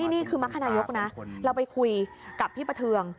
นี่คือมรรคนายกนะเราไปคุยกับพี่ประเทือง